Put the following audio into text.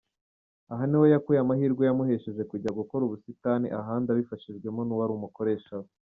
Aha niho yakuye amahirwe yamuhesheje kujya gukora ubusitani ahandi abifashijwemo n’uwari umukoresha we.